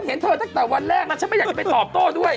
เห็นเธอตั้งแต่วันแรกแล้วฉันไม่อยากจะไปตอบโต้ด้วย